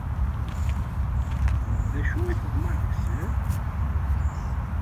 D acu i teḍmeε deg-sen?